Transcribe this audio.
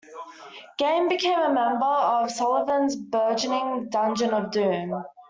Gang became a member of Sullivan's burgeoning Dungeon of Doom.